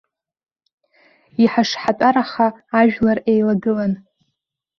Иҳашҳатәараха ажәлар еилагылан.